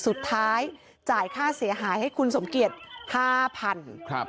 สุดท้ายจ่ายค่าเสียหายให้คุณสมเกียร์๕๐๐๐บาท